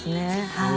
はい。